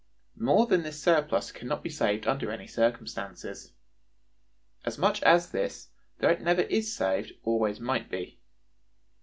More than this surplus can not be saved under any circumstances. As much as this, though it never is saved, always might be.